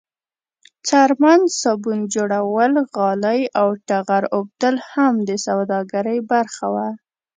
څرمن، صابون جوړول، غالۍ او ټغر اوبدل هم د سوداګرۍ برخه وه.